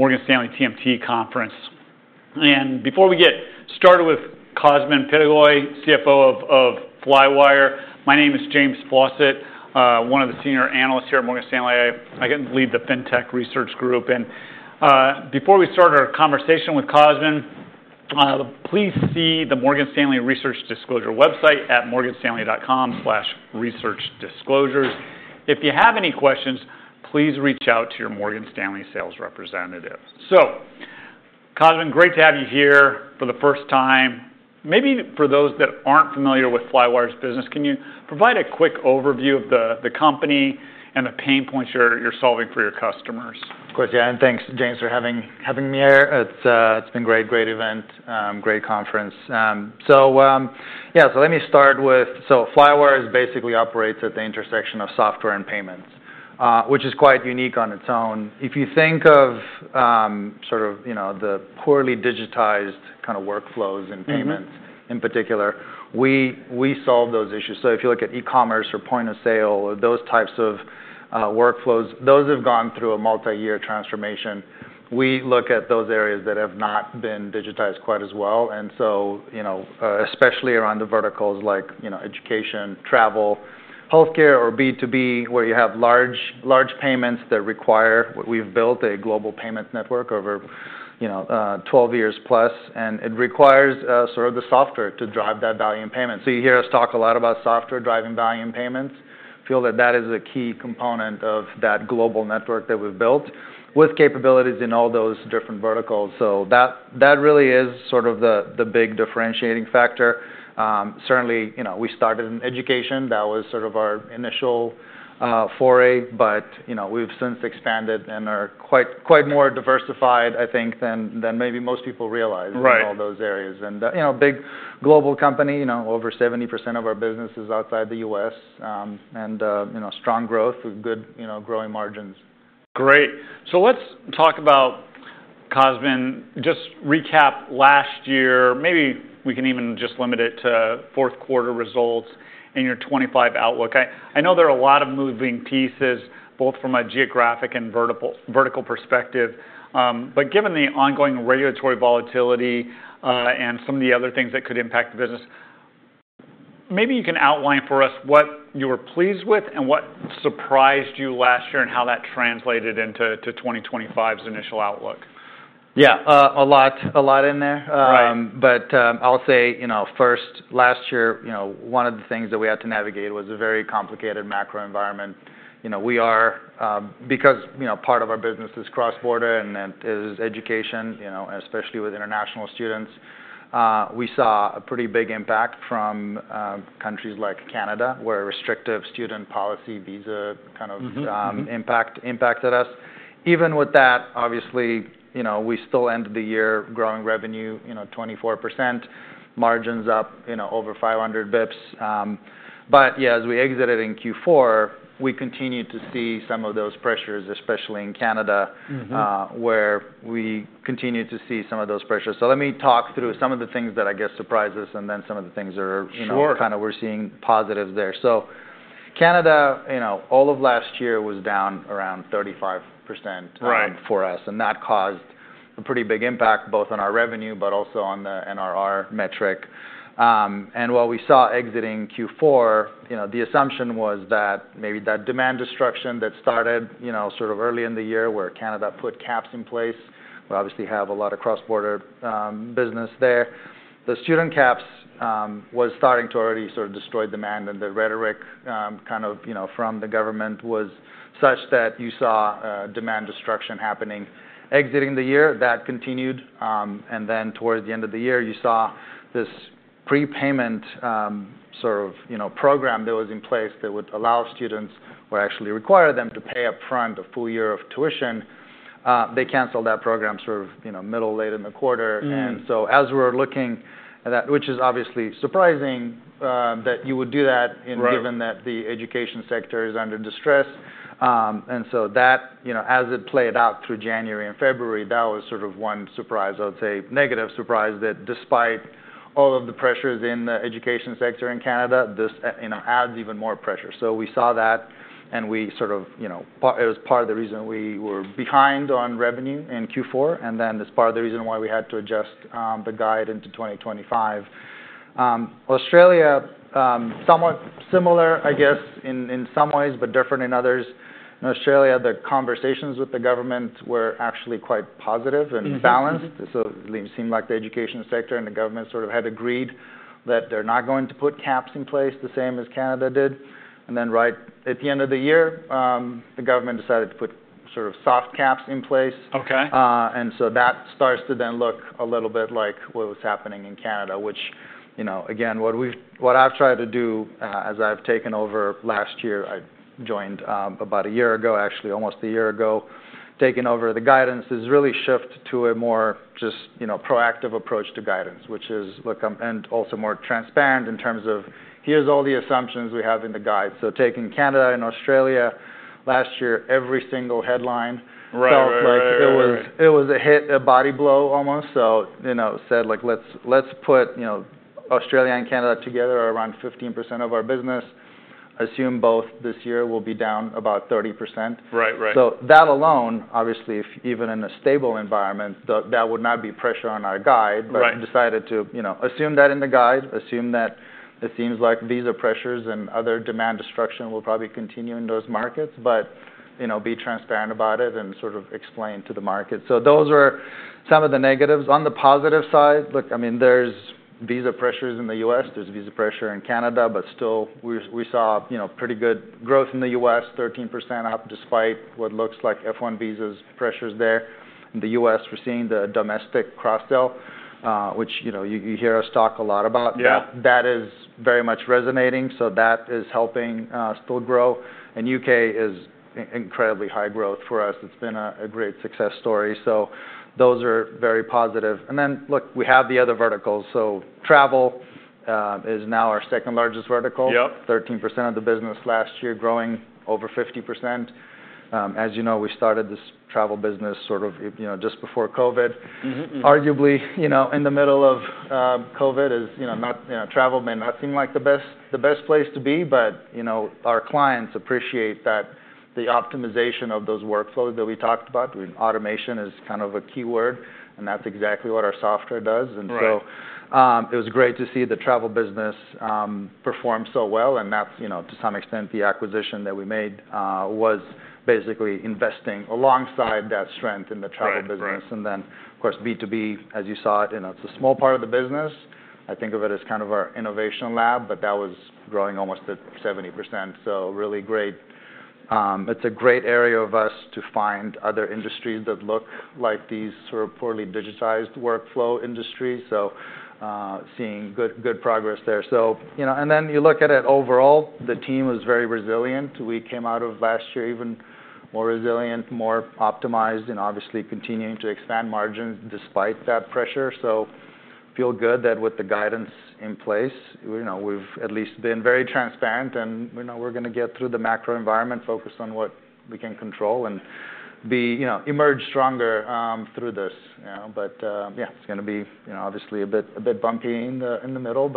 Morgan Stanley TMT Conference. Before we get started with Cosmin Pitigoi, CFO of Flywire, my name is James Flossett, one of the senior analysts here at Morgan Stanley. I lead the FinTech research group. Before we start our conversation with Cosmin, please see the Morgan Stanley research disclosure website at morganstanley.com/researchdisclosures. If you have any questions, please reach out to your Morgan Stanley sales representative. Cosmin, great to have you here for the first time. Maybe for those that aren't familiar with Flywire's business, can you provide a quick overview of the company and the pain points you're solving for your customers? Of course, yeah. Thanks, James, for having me here. It's been a great, great event, great conference. Let me start with, so Flywire basically operates at the intersection of software and payments, which is quite unique on its own. If you think of sort of the poorly digitized kind of workflows in payments in particular, we solve those issues. If you look at e-commerce or point of sale, those types of workflows, those have gone through a multi-year transformation. We look at those areas that have not been digitized quite as well. Especially around the verticals like education, travel, healthcare, or B2B, where you have large payments that require, we've built a global payment network over 12 years plus. It requires sort of the software to drive that value in payments. You hear us talk a lot about software driving value in payments. I feel that that is a key component of that global network that we've built with capabilities in all those different verticals. That really is sort of the big differentiating factor. Certainly, we started in education. That was sort of our initial foray. We have since expanded and are quite more diversified, I think, than maybe most people realize in all those areas. Big global company, over 70% of our business is outside the US. Strong growth, good growing margins. Great. Let's talk about, Cosmin, just recap last year. Maybe we can even just limit it to fourth quarter results and your 2025 outlook. I know there are a lot of moving pieces, both from a geographic and vertical perspective. Given the ongoing regulatory volatility and some of the other things that could impact the business, maybe you can outline for us what you were pleased with and what surprised you last year and how that translated into 2025's initial outlook. Yeah, a lot in there. I'll say first, last year, one of the things that we had to navigate was a very complicated macro environment. Because part of our business is cross-border and it is education, especially with international students, we saw a pretty big impact from countries like Canada where a restrictive student policy visa kind of impacted us. Even with that, obviously, we still ended the year growing revenue 24%, margins up over 500 basis points. As we exited in Q4, we continued to see some of those pressures, especially in Canada, where we continued to see some of those pressures. Let me talk through some of the things that I guess surprised us and then some of the things that are kind of we're seeing positives there. Canada, all of last year was down around 35% for us. That caused a pretty big impact both on our revenue, but also on the NRR metric. While we saw exiting Q4, the assumption was that maybe that demand destruction that started sort of early in the year where Canada put caps in place, we obviously have a lot of cross-border business there. The student caps was starting to already sort of destroy demand. The rhetoric kind of from the government was such that you saw demand destruction happening. Exiting the year, that continued. Towards the end of the year, you saw this prepayment sort of program that was in place that would allow students or actually require them to pay upfront a full year of tuition. They canceled that program sort of middle, late in the quarter. As we're looking at that, which is obviously surprising that you would do that given that the education sector is under distress. As that played out through January and February, that was sort of one surprise, I would say negative surprise that despite all of the pressures in the education sector in Canada, this adds even more pressure. We saw that. It was part of the reason we were behind on revenue in Q4. It is part of the reason why we had to adjust the guide into 2025. Australia, somewhat similar, I guess, in some ways, but different in others. In Australia, the conversations with the government were actually quite positive and balanced. It seemed like the education sector and the government sort of had agreed that they're not going to put caps in place the same as Canada did. Right at the end of the year, the government decided to put sort of soft caps in place. That starts to then look a little bit like what was happening in Canada, which, again, what I've tried to do as I've taken over last year, I joined about a year ago, actually almost a year ago, taking over the guidance is really shift to a more just proactive approach to guidance, which is look and also more transparent in terms of here's all the assumptions we have in the guide. Taking Canada and Australia last year, every single headline felt like it was a hit, a body blow almost. Said like, let's put Australia and Canada together, around 15% of our business. Assume both this year will be down about 30%. That alone, obviously, even in a stable environment, would not be pressure on our guide. Decided to assume that in the guide, assume that it seems like these are pressures and other demand destruction will probably continue in those markets. Be transparent about it and sort of explain to the market. Those were some of the negatives. On the positive side, look, I mean, there's visa pressures in the U.S. There's visa pressure in Canada. Still, we saw pretty good growth in the U.S., 13% up despite what looks like F-1 visa pressures there. In the U.S., we're seeing the domestic cross-sale, which you hear us talk a lot about. That is very much resonating. That is helping still grow. The U.K. is incredibly high growth for us. It has been a great success story. Those are very positive. We have the other verticals. Travel is now our second largest vertical, 13% of the business last year growing over 50%. As you know, we started this travel business sort of just before COVID. Arguably in the middle of COVID, travel may not seem like the best place to be. Our clients appreciate that the optimization of those workflows that we talked about, automation is kind of a key word. That is exactly what our software does. It was great to see the travel business perform so well. To some extent the acquisition that we made was basically investing alongside that strength in the travel business. Of course, B2B, as you saw it, it's a small part of the business. I think of it as kind of our innovation lab. That was growing almost at 70%. Really great. It's a great area of us to find other industries that look like these sort of poorly digitized workflow industries. Seeing good progress there. You look at it overall, the team was very resilient. We came out of last year even more resilient, more optimized, and obviously continuing to expand margins despite that pressure. Feel good that with the guidance in place, we've at least been very transparent. We're going to get through the macro environment, focus on what we can control and emerge stronger through this. Yeah, it's going to be obviously a bit bumpy in the middle.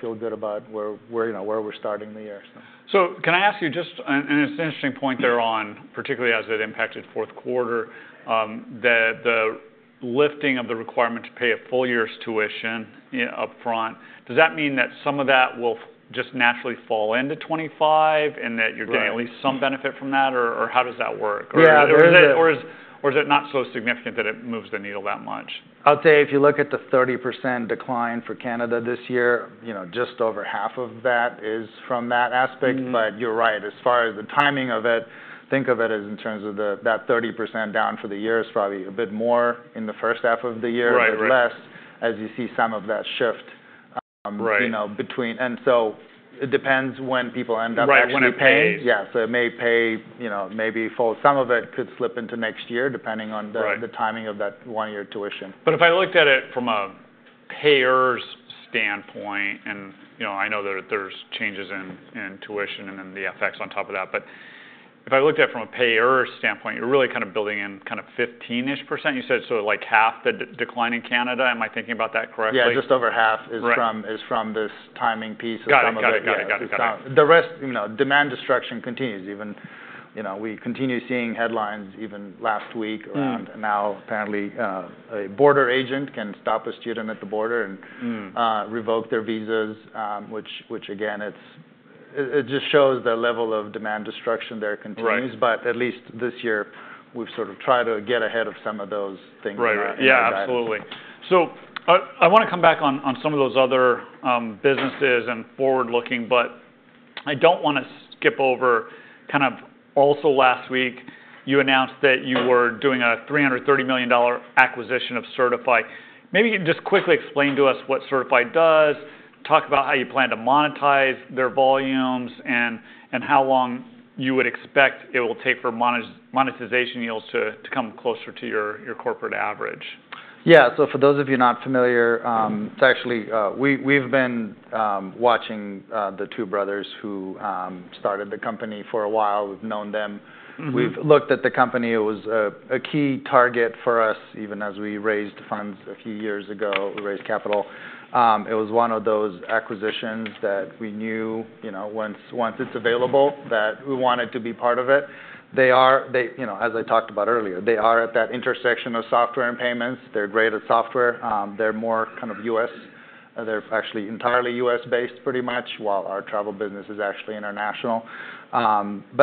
Feel good about where we're starting the year. Can I ask you just, and it's an interesting point there on, particularly as it impacted fourth quarter, the lifting of the requirement to pay a full year's tuition upfront. Does that mean that some of that will just naturally fall into 2025 and that you're getting at least some benefit from that? Or how does that work? Or is it not so significant that it moves the needle that much? I'd say if you look at the 30% decline for Canada this year, just over half of that is from that aspect. You're right. As far as the timing of it, think of it as in terms of that 30% down for the year is probably a bit more in the first half of the year and less as you see some of that shift between. It depends when people end up actually paying. Yeah, it may pay maybe full. Some of it could slip into next year depending on the timing of that one-year tuition. If I looked at it from a payer's standpoint, and I know that there's changes in tuition and then the effects on top of that. If I looked at it from a payer standpoint, you're really kind of building in kind of 15% ish. You said sort of like half the decline in Canada. Am I thinking about that correctly? Yeah, just over half is from this timing piece of some of the demand destruction continues. We continue seeing headlines even last week. Now apparently a border agent can stop a student at the border and revoke their visas, which again, it just shows the level of demand destruction there continues. At least this year we've sort of tried to get ahead of some of those things that happened. Yeah, absolutely. I want to come back on some of those other businesses and forward-looking. I do not want to skip over kind of also last week you announced that you were doing a $330 million acquisition of Certify. Maybe just quickly explain to us what Certify does, talk about how you plan to monetize their volumes, and how long you would expect it will take for monetization yields to come closer to your corporate average. Yeah, so for those of you not familiar, it's actually we've been watching the two brothers who started the company for a while. We've known them. We've looked at the company. It was a key target for us even as we raised funds a few years ago. We raised capital. It was one of those acquisitions that we knew once it's available that we wanted to be part of it. As I talked about earlier, they are at that intersection of software and payments. They're great at software. They're more kind of US. They're actually entirely US-based pretty much while our travel business is actually international.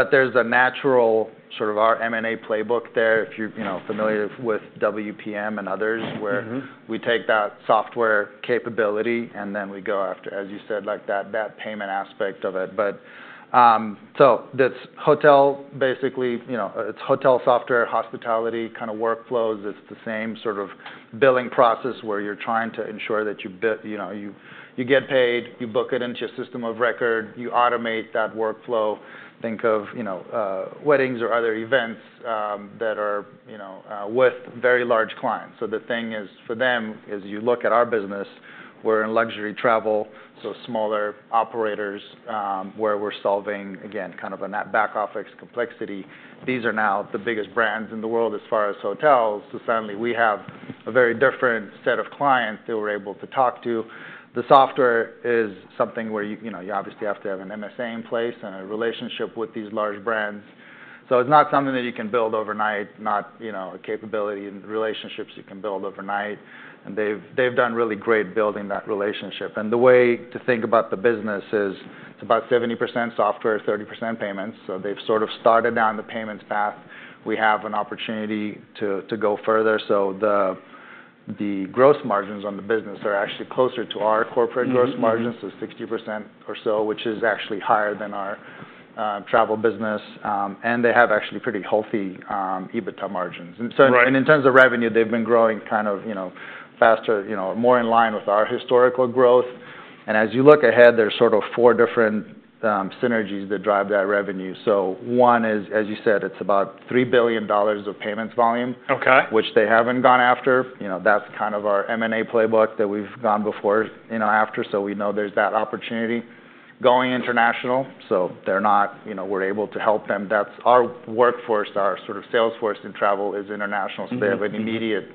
There is a natural sort of our M&A playbook there. If you're familiar with WPM and others where we take that software capability and then we go after, as you said, like that payment aspect of it. That is hotel, basically. It's hotel software, hospitality kind of workflows. It's the same sort of billing process where you're trying to ensure that you get paid, you book it into a system of record, you automate that workflow. Think of weddings or other events that are with very large clients. The thing is for them is you look at our business. We're in luxury travel, so smaller operators where we're solving, again, kind of a back-office complexity. These are now the biggest brands in the world as far as hotels. Suddenly we have a very different set of clients that we're able to talk to. The software is something where you obviously have to have an MSA in place and a relationship with these large brands. It's not something that you can build overnight, not a capability and relationships you can build overnight. They've done really great building that relationship. The way to think about the business is it's about 70% software, 30% payments. They've sort of started down the payments path. We have an opportunity to go further. The gross margins on the business are actually closer to our corporate gross margins, so 60% or so, which is actually higher than our travel business. They have actually pretty healthy EBITDA margins. In terms of revenue, they've been growing kind of faster, more in line with our historical growth. As you look ahead, there's sort of four different synergies that drive that revenue. One is, as you said, it's about $3 billion of payments volume, which they haven't gone after. That's kind of our M&A playbook that we've gone before after. We know there's that opportunity going international. We're able to help them. That's our workforce, our sort of salesforce in travel is international. They have an immediate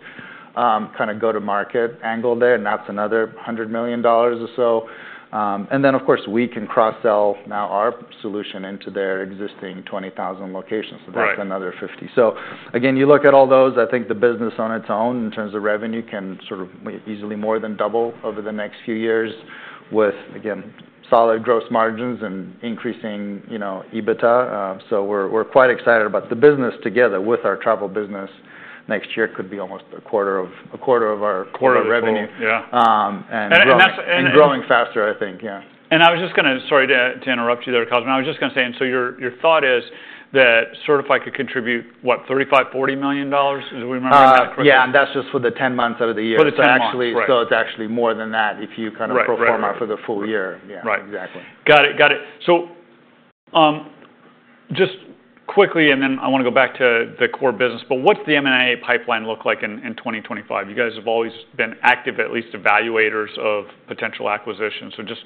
kind of go-to-market angle there. That's another $100 million or so. Of course, we can cross-sell now our solution into their existing 20,000 locations. That's another 50. You look at all those, I think the business on its own in terms of revenue can sort of easily more than double over the next few years with, again, solid gross margins and increasing EBITDA. We're quite excited about the business together with our travel business. Next year could be almost a quarter of our revenue. And growing faster, I think. Yeah. I was just going to, sorry to interrupt you there, Cosmin. I was just going to say, and so your thought is that Certify could contribute what, $35 million, $40 million? Do we remember that correctly? Yeah, and that's just for the 10 months out of the year. So it's actually more than that if you kind of profile for the full year. Yeah, exactly. Got it. Got it. Just quickly, and then I want to go back to the core business. What's the M&A pipeline look like in 2025? You guys have always been active, at least evaluators of potential acquisitions. Just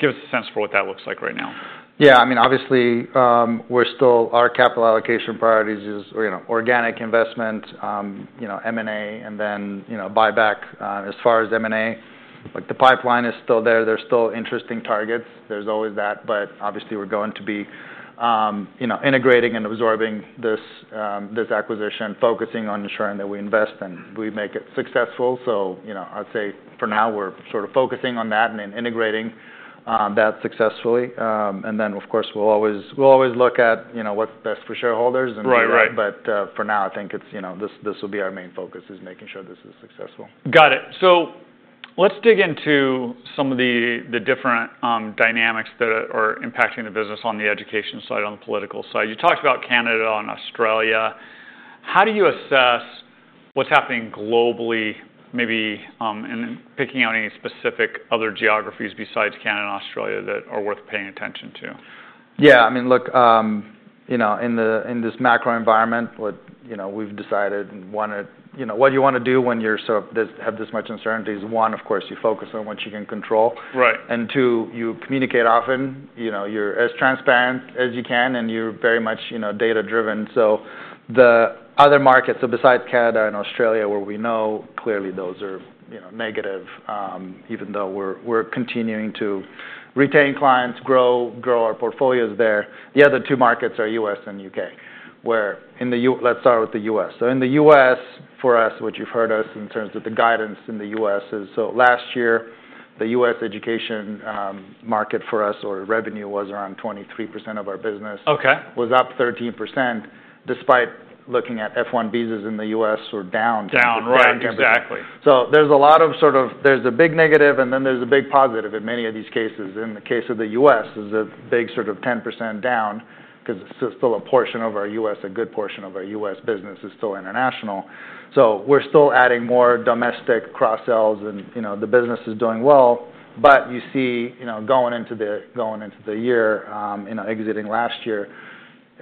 give us a sense for what that looks like right now. Yeah, I mean, obviously we're still our capital allocation priorities is organic investment, M&A, and then buyback. As far as M&A, the pipeline is still there. There's still interesting targets. There's always that. Obviously we're going to be integrating and absorbing this acquisition, focusing on ensuring that we invest and we make it successful. I'd say for now we're sort of focusing on that and then integrating that successfully. Of course, we'll always look at what's best for shareholders. For now, I think this will be our main focus is making sure this is successful. Got it. Let's dig into some of the different dynamics that are impacting the business on the education side, on the political side. You talked about Canada and Australia. How do you assess what's happening globally, maybe picking out any specific other geographies besides Canada and Australia that are worth paying attention to? Yeah, I mean, look, in this macro environment, what we've decided and wanted, what you wa nt to do when you have this much uncertainty is, one, of course, you focus on what you can control. Two, you communicate often. You're as transparent as you can. You're very much data-driven. The other markets, besides Canada and Australia, where we know clearly those are negative, even though we're continuing to retain clients, grow our portfolios there. The other two markets are U.S. and U.K., where let's start with the U.S. In the U.S., for us, what you've heard us in terms of the guidance in the U.S. is, last year the U.S. education market for us or revenue was around 23% of our business, was up 13% despite looking at F-1 visas in the U.S. were down. Down, right, exactly. There is a lot of sort of, there is a big negative and then there is a big positive in many of these cases. In the case of the U.S., there is a big sort of 10% down because still a portion of our U.S., a good portion of our U.S. business is still international. We are still adding more domestic cross-sells and the business is doing well. You see going into the year, exiting last year,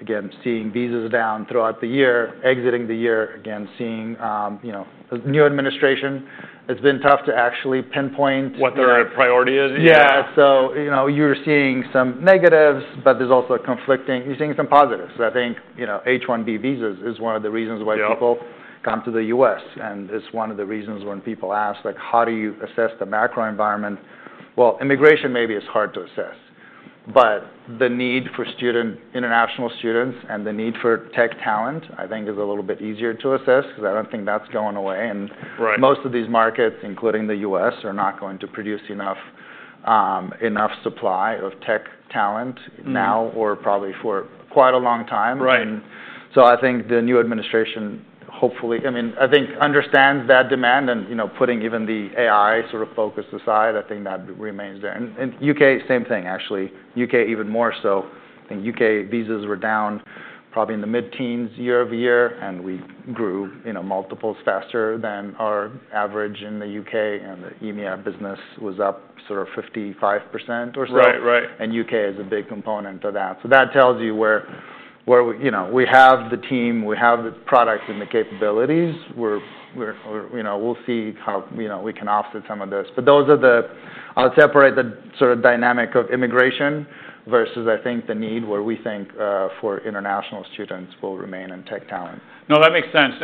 again, seeing visas down throughout the year, exiting the year, again, seeing new administration. It has been tough to actually pinpoint. What their priority is, yeah. Yeah, so you're seeing some negatives, but there's also conflicting, you're seeing some positives. I think H-1B visas is one of the reasons why people come to the U.S., and it's one of the reasons when people ask how do you assess the macro environment. Immigration maybe is hard to assess. The need for international students and the need for tech talent, I think, is a little bit easier to assess because I don't think that's going away. Most of these markets, including the U.S., are not going to produce enough supply of tech talent now or probably for quite a long time. I think the new administration hopefully, I mean, I think understands that demand and putting even the AI sort of focus aside, I think that remains there. U.K., same thing actually. U.K. even more so. I think U.K. visas were down probably in the mid-teens year over year. We grew multiples faster than our average in the U.K. The EMEA business was up sort of 55% or so. U.K. is a big component of that. That tells you where we have the team, we have the product and the capabilities. We'll see how we can offset some of those. Those are the, I'll separate the sort of dynamic of immigration versus, I think, the need where we think for international students will remain in tech talent. No, that makes sense.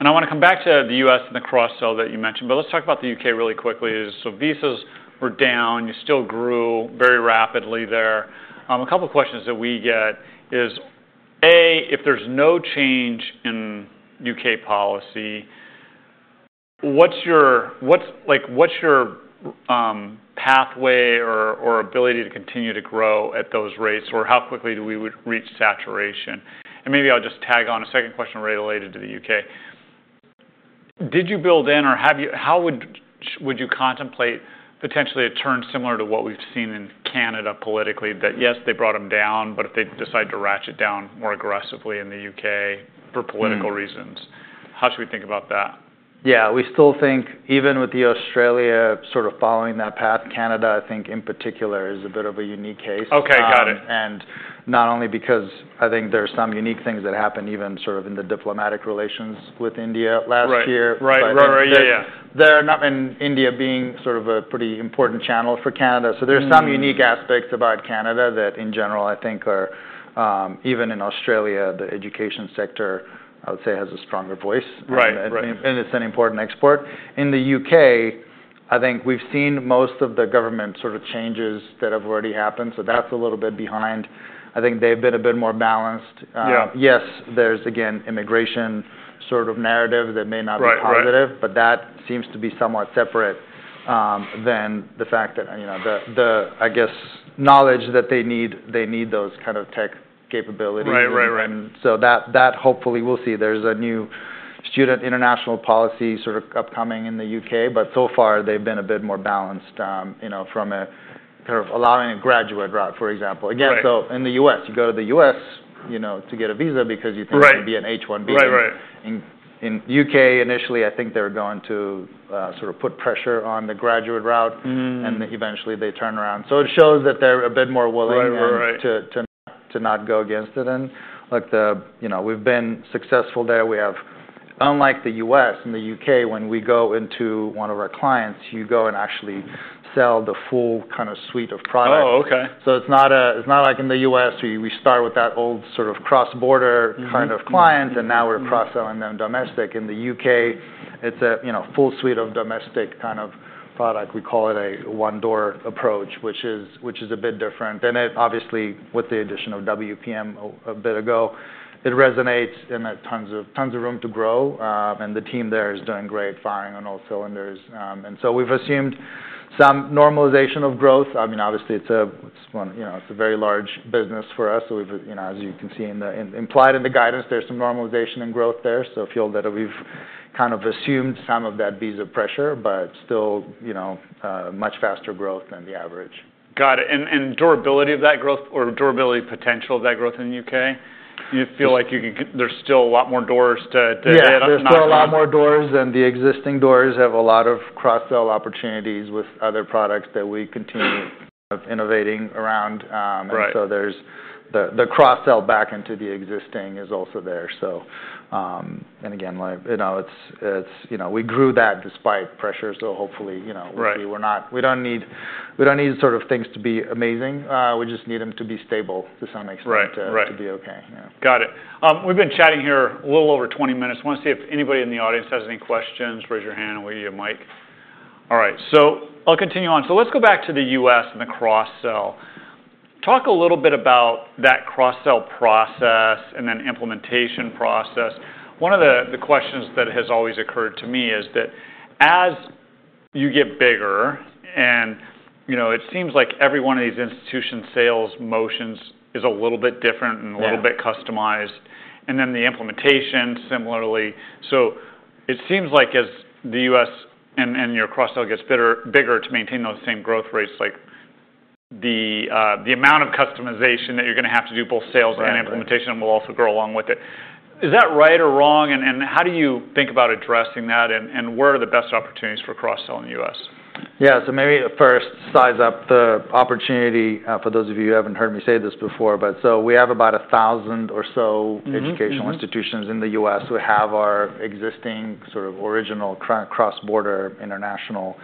I want to come back to the U.S. and the cross-sell that you mentioned. Let's talk about the U.K. really quickly. Visas were down. You still grew very rapidly there. A couple of questions that we get is, A, if there's no change in U.K. policy, what's your pathway or ability to continue to grow at those rates? How quickly do we reach saturation? Maybe I'll just tag on a second question related to the U.K. Did you build in or how would you contemplate potentially a turn similar to what we've seen in Canada politically, that yes, they brought them down, but if they decide to ratchet down more aggressively in the U.K. for political reasons, how should we think about that? Yeah, we still think even with Australia sort of following that path, Canada, I think in particular is a bit of a unique case. Not only because I think there are some unique things that happened even sort of in the diplomatic relations with India last year. Right, right, right. India being sort of a pretty important channel for Canada. There are some unique aspects about Canada that in general I think are even in Australia. The education sector, I would say, has a stronger voice, and it is an important export. In the U.K., I think we've seen most of the government sort of changes that have already happened. That is a little bit behind. I think they've been a bit more balanced. Yes, there is again immigration sort of narrative that may not be positive, but that seems to be somewhat separate from the fact that the, I guess, knowledge that they need, they need those kind of tech capabilities. Hopefully, we will see there is a new student international policy sort of upcoming in the U.K. So far, they've been a bit more balanced from a kind of allowing a graduate route, for example. Again, in the U.S., you go to the U.S. to get a visa because you think it would be an H-1B. In the U.K., initially, I think they were going to sort of put pressure on the graduate route. Eventually they turned around. It shows that they're a bit more willing to not go against it. Look, we've been successful there. We have, unlike the U.S. and the U.K., when we go into one of our clients, you go and actually sell the full kind of suite of products. It's not like in the U.S. we start with that old sort of cross-border kind of clients and now we're cross-selling them domestic. In the U.K., it's a full suite of domestic kind of product. We call it a one-door approach, which is a bit different. Obviously with the addition of WPM a bit ago, it resonates and there's tons of room to grow. The team there is doing great, firing on all cylinders. We have assumed some normalization of growth. I mean, obviously it's a very large business for us. As you can see implied in the guidance, there's some normalization in growth there. I feel that we've kind of assumed some of that visa pressure, but still much faster growth than the average. Got it. Durability of that growth or durability potential of that growth in the U.K.? You feel like there's still a lot more doors to hit? Yeah, there's still a lot more doors than the existing doors have, a lot of cross-sell opportunities with other products that we continue kind of innovating around. There's the cross-sell back into the existing is also there. Again, we grew that despite pressure. Hopefully we don't need sort of things to be amazing. We just need them to be stable to some extent to be okay. Got it. We've been chatting here a little over 20 minutes. I want to see if anybody in the audience has any questions. Raise your hand or your mic. All right. I'll continue on. Let's go back to the US and the cross-sell. Talk a little bit about that cross-sell process and then implementation process. One of the questions that has always occurred to me is that as you get bigger and it seems like every one of these institution sales motions is a little bit different and a little bit customized. Then the implementation similarly. It seems like as the US and your cross-sell gets bigger to maintain those same growth rates, the amount of customization that you're going to have to do both sales and implementation will also grow along with it. Is that right or wrong? How do you think about addressing that? And where are the best opportunities for cross-sell in the US? Yeah, maybe first size up the opportunity for those of you who have not heard me say this before. We have about 1,000 or so educational institutions in the U.S. who have our existing sort of original cross-border international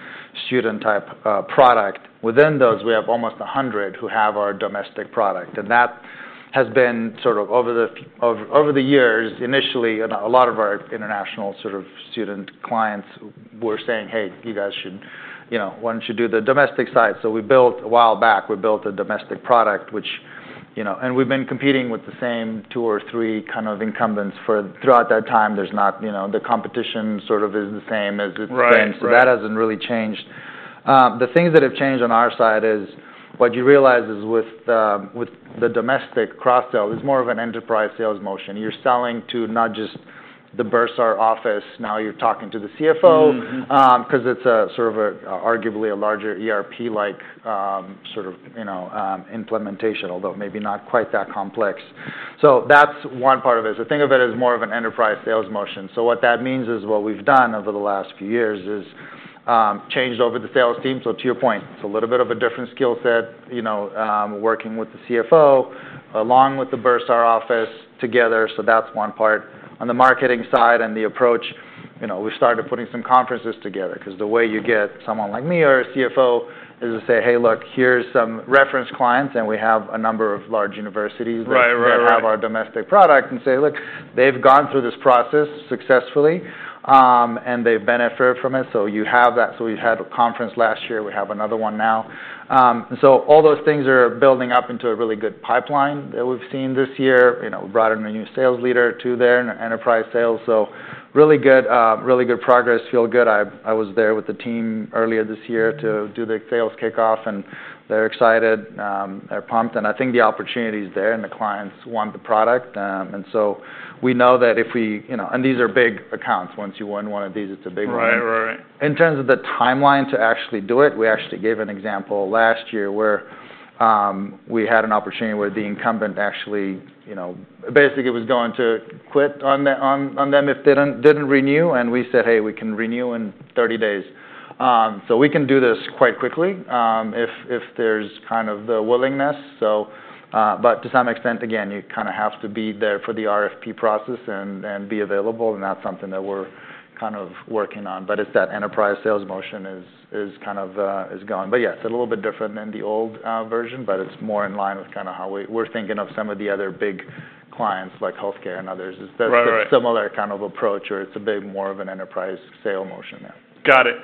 student type product. Within those, we have almost 100 who have our domestic product. That has been sort of over the years. Initially, a lot of our international sort of student clients were saying, "Hey, you guys should, why do not you do the domestic side?" We built, a while back, we built a domestic product, and we have been competing with the same two or three kind of incumbents throughout that time. The competition is the same as it has been. That has not really changed. The things that have changed on our side is what you realize is with the domestic cross-sell, it's more of an enterprise sales motion. You're selling to not just the Bursar office. Now you're talking to the CFO because it's sort of arguably a larger ERP-like sort of implementation, although maybe not quite that complex. That is one part of it. Think of it as more of an enterprise sales motion. What that means is what we've done over the last few years is changed over the sales team. To your point, it's a little bit of a different skill set working with the CFO along with the Bursar office together. That is one part. On the marketing side and the approach, we've started putting some conferences together because the way you get someone like me or a CFO is to say, "Hey, look, here's some reference clients." And we have a number of large universities that have our domestic product and say, "Look, they've gone through this process successfully and they've benefited from it." You have that. We had a conference last year. We have another one now. All those things are building up into a really good pipeline that we've seen this year. We brought in a new sales leader too there in enterprise sales. Really good progress. Feel good. I was there with the team earlier this year to do the sales kickoff. They're excited. They're pumped. I think the opportunity is there and the clients want the product. We know that if we, and these are big accounts. Once you win one of these, it's a big one. In terms of the timeline to actually do it, we actually gave an example last year where we had an opportunity where the incumbent actually basically was going to quit on them if they did not renew. We said, "Hey, we can renew in 30 days." We can do this quite quickly if there is kind of the willingness. To some extent, again, you kind of have to be there for the RFP process and be available. That is something that we are kind of working on. It is that enterprise sales motion is kind of going. Yes, a little bit different than the old version, but it's more in line with kind of how we're thinking of some of the other big clients like healthcare and others. It's a similar kind of approach or it's a bit more of an enterprise sale motion. Got it.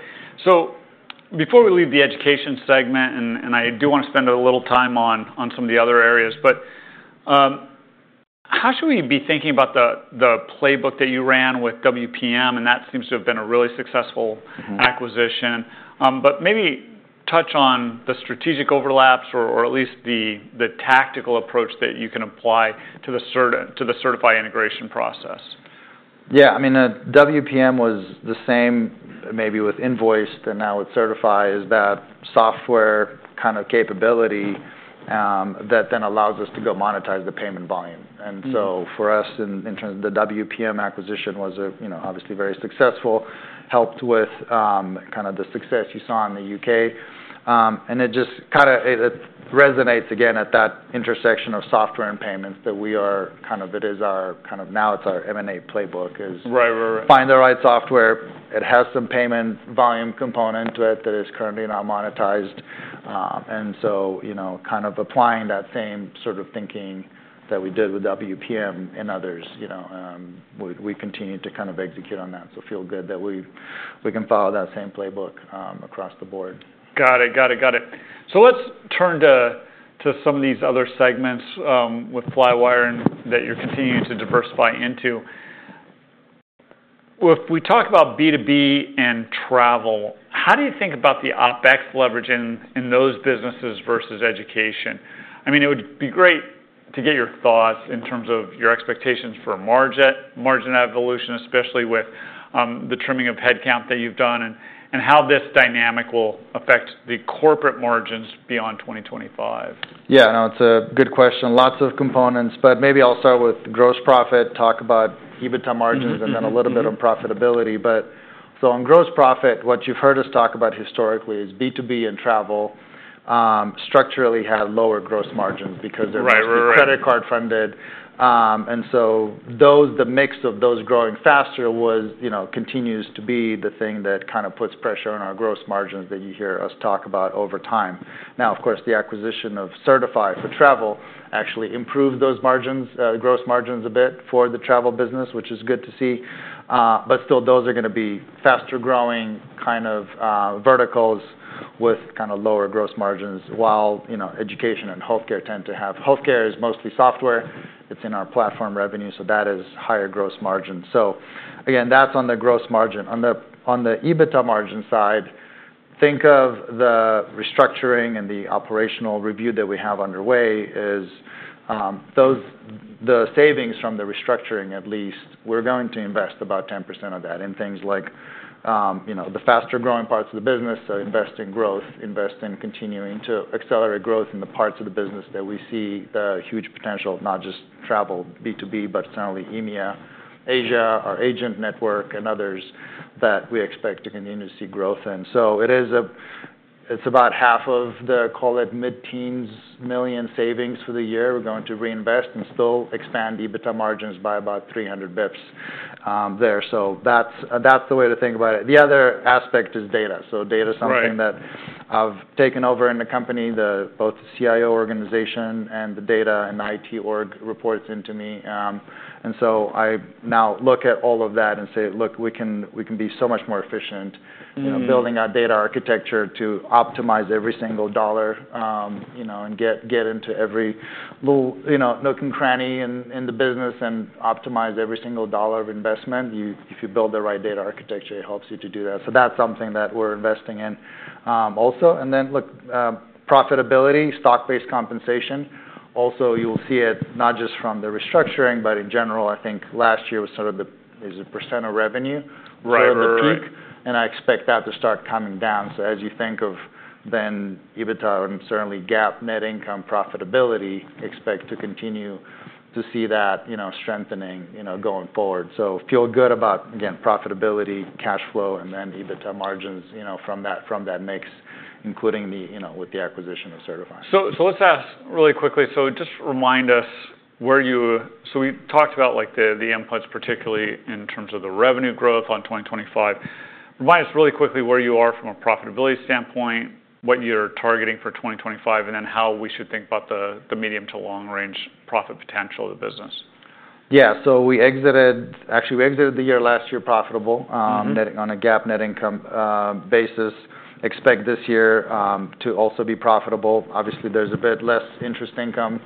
Before we leave the education segment, and I do want to spend a little time on some of the other areas, how should we be thinking about the playbook that you ran with WPM? That seems to have been a really successful acquisition. Maybe touch on the strategic overlaps or at least the tactical approach that you can apply to the Certify integration process. Yeah, I mean, WPM was the same maybe with Invoiced than now with Certify is that software kind of capability that then allows us to go monetize the payment volume. For us in terms of the WPM acquisition was obviously very successful, helped with kind of the success you saw in the U.K. It just kind of resonates again at that intersection of software and payments that we are kind of it is our kind of now it's our M&A playbook is find the right software. It has some payment volume component to it that is currently not monetized. Kind of applying that same sort of thinking that we did with WPM and others, we continue to kind of execute on that. Feel good that we can follow that same playbook across the board. Got it, got it, got it. Let's turn to some of these other segments with Flywire that you're continuing to diversify into. If we talk about B2B and travel, how do you think about the OpEx leverage in those businesses versus education? I mean, it would be great to get your thoughts in terms of your expectations for margin evolution, especially with the trimming of headcount that you've done and how this dynamic will affect the corporate margins beyond 2025. Yeah, no, it's a good question. Lots of components, but maybe I'll start with gross profit, talk about EBITDA margins, and then a little bit on profitability. On gross profit, what you've heard us talk about historically is B2B and travel structurally had lower gross margins because they're mostly credit card funded. The mix of those growing faster continues to be the thing that kind of puts pressure on our gross margins that you hear us talk about over time. Of course, the acquisition of Certify for travel actually improved those gross margins a bit for the travel business, which is good to see. Still, those are going to be faster growing kind of verticals with kind of lower gross margins while education and healthcare tend to have—healthcare is mostly software. It's in our platform revenue. That is higher gross margin. Again, that's on the gross margin. On the EBITDA margin side, think of the restructuring and the operational review that we have underway as the savings from the restructuring. At least we're going to invest about 10% of that in things like the faster growing parts of the business. Invest in growth, invest in continuing to accelerate growth in the parts of the business that we see the huge potential, not just travel B2B, but certainly EMEA, Asia or agent network and others that we expect to continue to see growth in. It's about half of the, call it mid-teens million savings for the year. We're going to reinvest and still expand EBITDA margins by about 300 basis points there. That's the way to think about it. The other aspect is data. Data is something that I've taken over in the company, both the CIO organization and the data and IT org reports into me. I now look at all of that and say, "Look, we can be so much more efficient building our data architecture to optimize every single dollar and get into every nook and cranny in the business and optimize every single dollar of investment. If you build the right data architecture, it helps you to do that." That's something that we're investing in also. Profitability, stock-based compensation. Also, you'll see it not just from the restructuring, but in general, I think last year was sort of there is a percent of revenue right at the peak. I expect that to start coming down. As you think of then EBITDA and certainly GAAP, net income, profitability, expect to continue to see that strengthening going forward. Feel good about, again, profitability, cash flow, and then EBITDA margins from that mix, including with the acquisition of Certify. Let's ask really quickly. Just remind us where you, so we talked about the inputs, particularly in terms of the revenue growth on 2025. Remind us really quickly where you are from a profitability standpoint, what you're targeting for 2025, and then how we should think about the medium to long-range profit potential of the business. Yeah, so we exited, actually we exited the year last year profitable on a GAAP net income basis. Expect this year to also be profitable. Obviously, there's a bit less interest income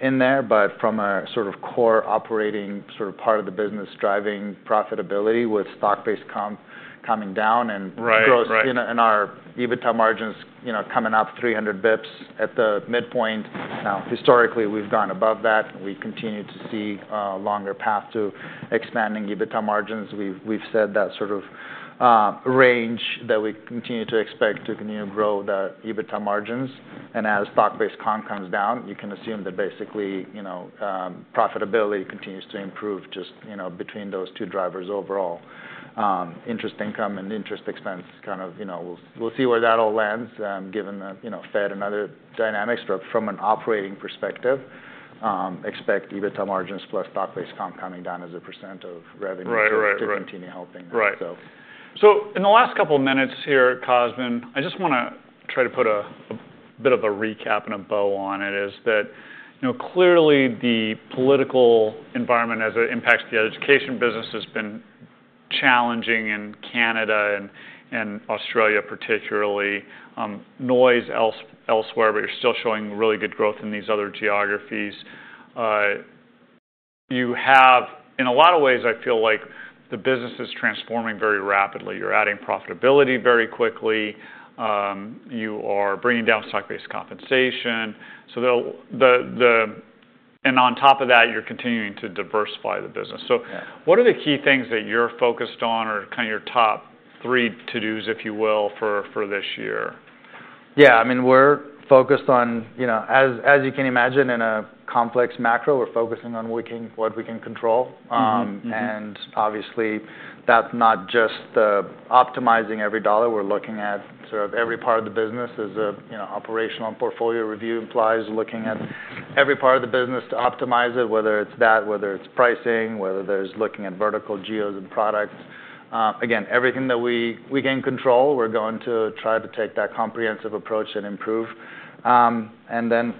in there, but from a sort of core operating sort of part of the business driving profitability with stock-based comp coming down and growth in our EBITDA margins coming up 300 basis points at the midpoint. Now, historically, we've gone above that. We continue to see a longer path to expanding EBITDA margins. We've said that sort of range that we continue to expect to continue to grow the EBITDA margins. As stock-based comp comes down, you can assume that basically profitability continues to improve just between those two drivers overall. Interest income and interest expense, kind of we'll see where that all lands given the Fed and other dynamics. From an operating perspective, expect EBITDA margins plus stock-based comp coming down as a % of revenue to continue helping. Right. In the last couple of minutes here, Cosmin, I just want to try to put a bit of a recap and a bow on it. It is that clearly the political environment as it impacts the education business has been challenging in Canada and Australia particularly. Noise elsewhere, but you're still showing really good growth in these other geographies. You have, in a lot of ways, I feel like the business is transforming very rapidly. You're adding profitability very quickly. You are bringing down stock-based compensation. On top of that, you're continuing to diversify the business. What are the key things that you're focused on or kind of your top three to-dos, if you will, for this year? Yeah, I mean, we're focused on, as you can imagine, in a complex macro, we're focusing on what we can control. Obviously, that's not just optimizing every dollar. We're looking at sort of every part of the business as an operational portfolio review implies, looking at every part of the business to optimize it, whether it's that, whether it's pricing, whether there's looking at vertical geos and products. Again, everything that we can control, we're going to try to take that comprehensive approach and improve.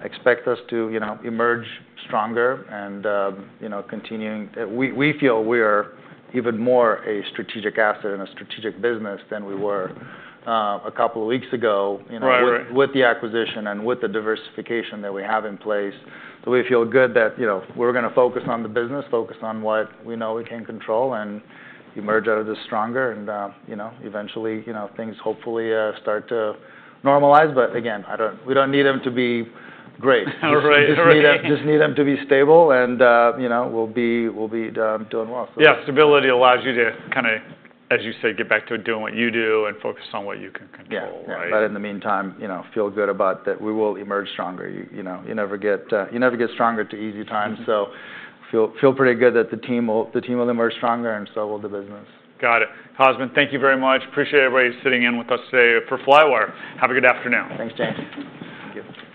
Expect us to emerge stronger and continuing. We feel we are even more a strategic asset and a strategic business than we were a couple of weeks ago with the acquisition and with the diversification that we have in place. We feel good that we're going to focus on the business, focus on what we know we can control and emerge out of this stronger. Eventually, things hopefully start to normalize. Again, we don't need them to be great. Just need them to be stable and we'll be doing well. Yeah, stability allows you to kind of, as you say, get back to doing what you do and focus on what you can control. Yeah, but in the meantime, feel good about that we will emerge stronger. You never get stronger through easy times. So feel pretty good that the team will emerge stronger and so will the business. Got it. Cosmin, thank you very much. Appreciate everybody sitting in with us today for Flywire. Have a good afternoon. Thanks, James. Thank you.